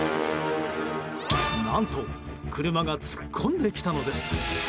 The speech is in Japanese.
何と車が突っ込んできたのです。